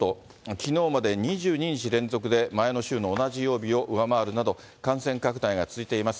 きのうまで２２日連続で前の週の同じ曜日を上回るなど、感染拡大が続いています。